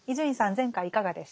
前回いかがでしたか？